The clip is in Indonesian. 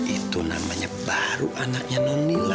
itu namanya baru anaknya non dua